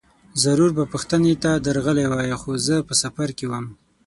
ضرور به پوښتنې ته درغلی وای، خو زه په سفر کې وم.